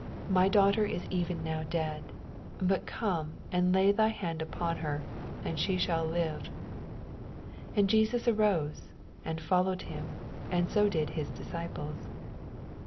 My daughter is even now dead : but oome and laj thy hand upon her, and she shall live. 19 And Jesus arose, and followed him, and so did his disciples.